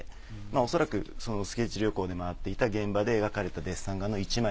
おそらくスケッチ旅行で回っていた現場で描かれたデッサン画の１枚。